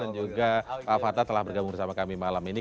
dan juga pak fata telah bergabung bersama kami malam ini